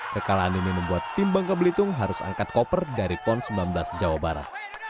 kekalahan ini membuat tim bangka belitung harus angkat koper dari pon sembilan belas jawa barat